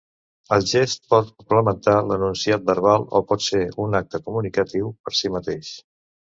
El gest pot complementar l'enunciat verbal o pot ser un acte comunicatiu per si mateix.